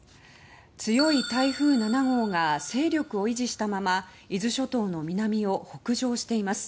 強い台風７号が勢力を維持したまま伊豆諸島の南を北上しています。